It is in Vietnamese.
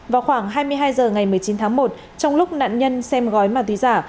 vào khoảng hai mươi hai h ngày một mươi chín tháng một trong lúc nạn nhân xem gói ma túy giả